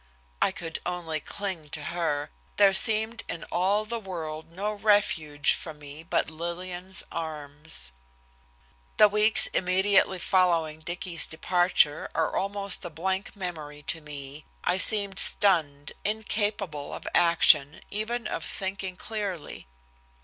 I could only cling to her. There seemed in all the world no refuge for me but Lillian's arms. The weeks immediately following Dicky's departure are almost a blank memory to me. I seemed stunned, incapable of action, even of thinking clearly.